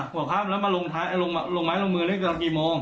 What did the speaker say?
หัวครั้งแล้วมาลงไม้ลงมือตั้งแต่กี่โมง